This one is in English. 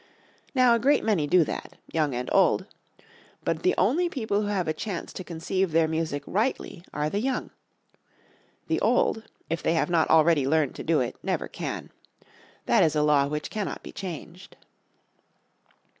Now a great many do that, young and old. But the only people who have a chance to conceive their music rightly are the young; the old, if they have not already learned to do it, never can. That is a law which cannot be changed.